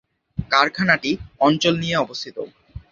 কারখানাটি অঞ্চল নিয়ে অবস্থিত।